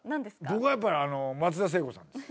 僕はやっぱり松田聖子さんです。